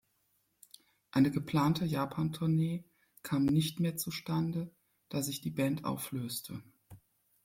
Eine geplante Japan-Tournee kam nicht mehr zustande, da sich die Band auflöste.